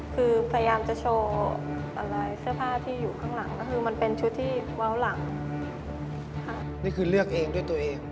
ก็เพื่อนช่วยเลือกด้วย